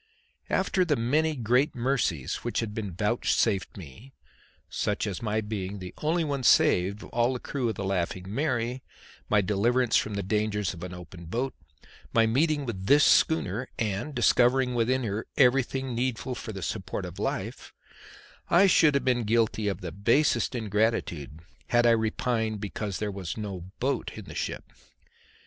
After the many great mercies which had been vouchsafed me, such as my being the only one saved of all the crew of the Laughing Mary, my deliverance from the dangers of an open boat, my meeting with this schooner and discovering within her everything needful for the support of life, I should have been guilty of the basest ingratitude had I repined because there was no boat in the ship.